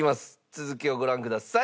続きをご覧ください。